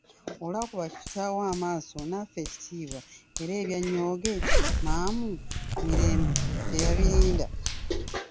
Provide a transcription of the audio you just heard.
Olw'akuba ku kitaawe amaaso n'afa ekitiibwa era ebya nnyooge, maamu ,mirembe, teyabirinda.